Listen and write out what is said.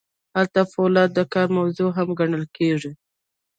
هلته فولاد د کار موضوع هم ګڼل کیږي.